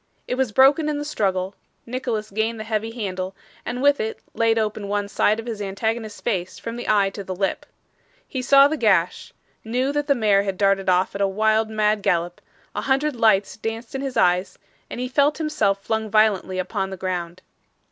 It was broken in the struggle; Nicholas gained the heavy handle, and with it laid open one side of his antagonist's face from the eye to the lip. He saw the gash; knew that the mare had darted off at a wild mad gallop; a hundred lights danced in his eyes, and he felt himself flung violently upon the ground.